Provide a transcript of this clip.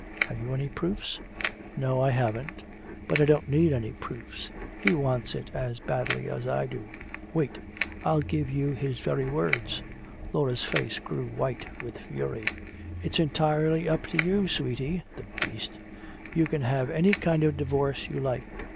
Have you any proofs?" "No, I haven't but I don't need any proofs! He wants it as badly as I do! Wait I'll give you his very words!" Laura's face grew white with fury. "'It's entirely up to you, Sweetie' the beast! 'You can have any kind of divorce you like.